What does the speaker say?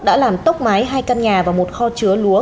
đã làm tốc mái hai căn nhà và một kho chứa lúa